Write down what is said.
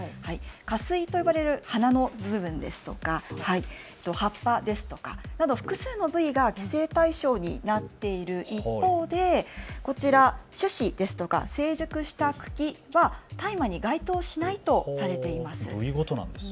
花穂と呼ばれる花の部分ですとか葉っぱですとか、複数の部位が規制対象になっている一方でこちら、種子ですとか成熟した茎は大麻に該当しないとされています。